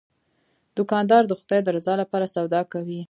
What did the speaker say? دوکاندار د خدای د رضا لپاره سودا کوي.